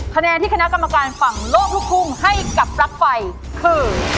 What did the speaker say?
คะแนนที่คณะกรรมการฝั่งโลกลูกทุ่งให้กับปลั๊กไฟคือ